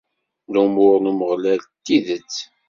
Lumuṛ n Umeɣlal d tidet.